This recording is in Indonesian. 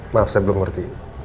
maaf saya belum ngerti